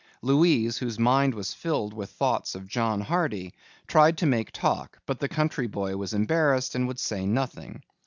Louise, whose mind was filled with thoughts of John Hardy, tried to make talk but the country boy was embarrassed and would say nothing.